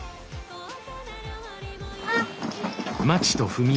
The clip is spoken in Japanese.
あっ。